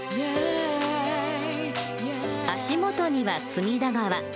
足元には隅田川。